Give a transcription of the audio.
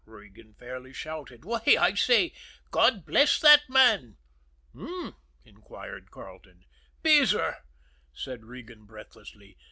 Regan fairly shouted. "Why, I say, God bless that man!" "H'm?" inquired Carleton. "Beezer," said Regan breathlessly.